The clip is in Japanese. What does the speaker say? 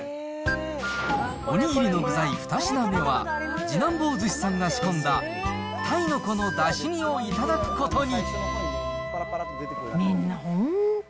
おにぎりの具材２品目は、次男坊寿司さんが仕込んだ、鯛の子のだし煮を頂くことに。